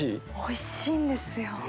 おいしいんですよ。